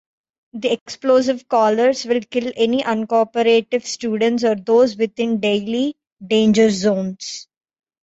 The explosive collars will kill any uncooperative students or those within daily "danger zones".